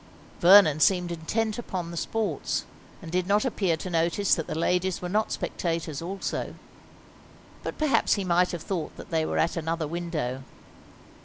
Vernon seemed intent upon the sports, and did not appear to notice that the ladies were not spectators also. But perhaps he might have thought that they were at another window.